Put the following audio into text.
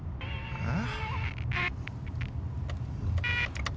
うん？